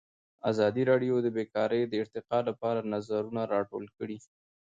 ازادي راډیو د بیکاري د ارتقا لپاره نظرونه راټول کړي.